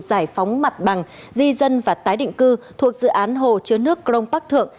giải phóng mặt bằng di dân và tái định cư thuộc dự án hồ chứa nước crong park thượng